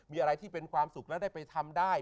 มีอะไรที่เป็นความสุขแล้วได้ไปทำได้